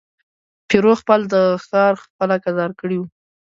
پیرو خپل د ښار خلک آزار کړي وه.